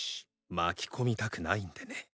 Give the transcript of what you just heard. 巻き込みたくないんでね。